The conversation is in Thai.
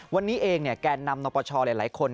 วันนี้เองแก่นำนับประชาหรือหลายคน